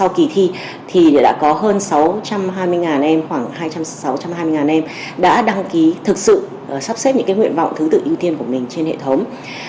sau kỳ thi thì đã có hơn sáu trăm hai mươi em khoảng hai trăm sáu mươi em đã đăng ký thực sự sắp xếp những nguyện vọng thứ tự ưu tiên của mình trên hệ thống